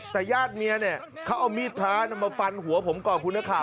แต่ญาติเมียเนี่ยเขาเอามีดพระมาฟันหัวผมก่อนคุณนักข่าว